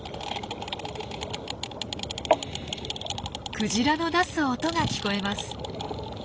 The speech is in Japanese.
クジラの出す音が聞こえます。